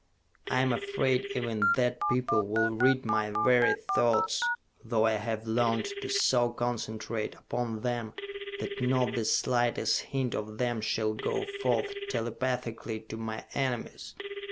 I am afraid even that people will read my very thoughts, though I have learned to so concentrate upon them that not the slightest hint of them shall go forth telepathically to my enemies!